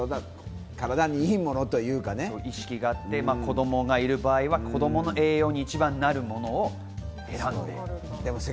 そういう意識があって、子供がいる場合は、子供の栄養に一番なるものを選んで。